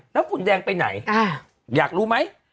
แล้วฝุ่นแดงไปไหนอยากรู้ไหม